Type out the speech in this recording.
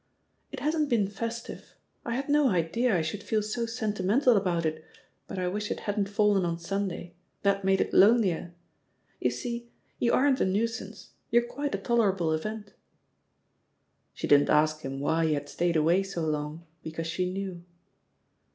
"It hasn't been festive. I had no idea 1 should feel so sentimental about it, but I wish it hadn't fallen on Sunday — ^that made it lonelier. •.. You see, you aren't a nuisance, you're quite a tolerable event." She didn't ask him why he had stayed away so long, because she knew.